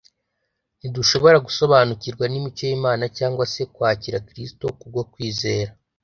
Ntidushobora gusobanukirwa n'imico y'Imana cyangwa se kwakira Kristo kubwo kwizera,